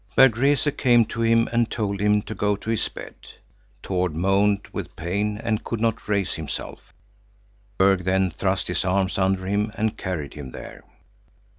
Berg Rese came to him and told him to go to his bed. Tord moaned with pain and could not raise himself. Berg then thrust his arms under him and carried him there.